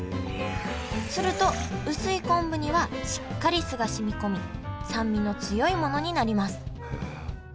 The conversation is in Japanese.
すると薄い昆布にはしっかり酢が染み込み酸味の強いものになります。